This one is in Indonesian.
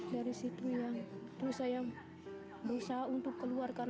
dari situ ya terus saya berusaha untuk mencari aman